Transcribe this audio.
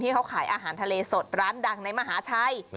เขาขายอาหารทะเลสดร้านดังในมหาชัย